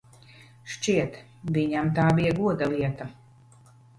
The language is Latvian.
Šķiet, viņam tā bija goda lieta.